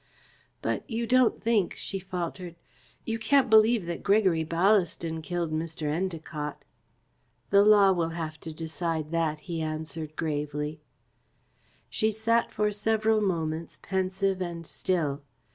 "But you don't think," she faltered, "you can't believe, that Gregory Ballaston killed Mr. Endacott." "The law will have to decide that," he answered gravely. She sat for several moments, pensive and still.